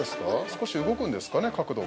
少し動くんですかね、角度が。